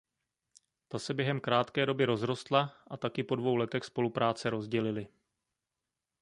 Ta se během krátké doby rozrostla a tak ji dvou letech spolupráce rozdělili.